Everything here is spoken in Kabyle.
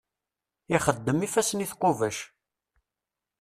Ixeddem ifassen i tqubac.